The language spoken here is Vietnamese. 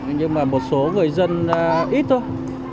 nhưng mà một số người dân ít thôi